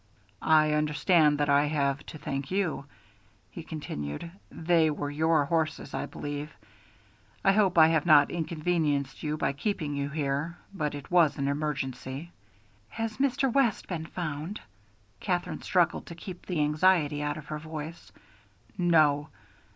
"I understand that I have to thank you," he continued. "They were your horses, I believe. I hope I have not inconvenienced you by keeping you here. But it was an emergency." "Has Mr. West been found?" Katherine struggled to keep the anxiety out of her voice. "No."